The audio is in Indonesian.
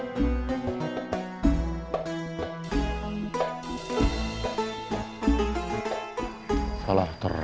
siapa berkata pola pakaian vuitt a democrat